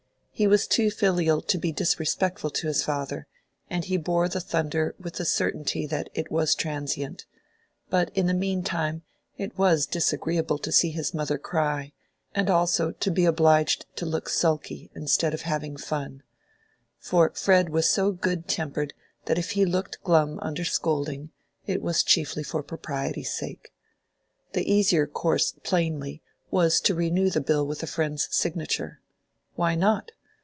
He was too filial to be disrespectful to his father, and he bore the thunder with the certainty that it was transient; but in the mean time it was disagreeable to see his mother cry, and also to be obliged to look sulky instead of having fun; for Fred was so good tempered that if he looked glum under scolding, it was chiefly for propriety's sake. The easier course plainly, was to renew the bill with a friend's signature. Why not?